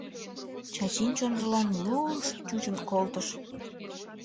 Чачин чонжылан лу-уш чучын колтыш.